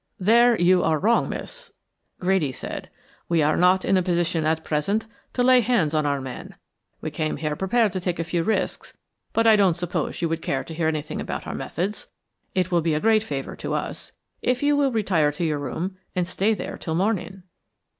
"There you are wrong, miss," Grady said. "We are not in a position at present to lay hands on our man. We came here prepared to take a few risks but I don't suppose you would care to hear anything about our methods. It will be a great favor to us if you will retire to your room and stay there till morning."